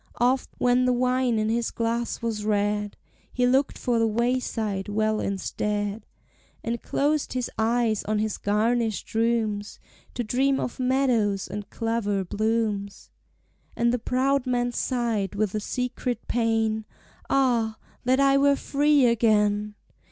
Oft, when the wine in his glass was red, He longed for the wayside well instead, And closed his eyes on his garnished rooms, To dream of meadows and clover blooms; And the proud man sighed with a secret pain, "Ah, that I were free again!